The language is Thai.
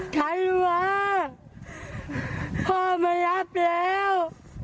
ธันวาพ่อมารับแล้ว